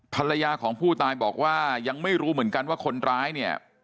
ภรรยาของผู้ตายบอกว่ายังไม่รู้เหมือนกันว่าคนร้ายเนี่ย